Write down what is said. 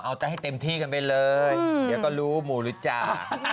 เอาแต่ให้เต็มที่กันไปเลยเดี๋ยวก็รู้หมู่หรือจา